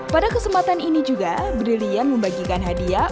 pada kesempatan ini juga briliant membagikan hadiah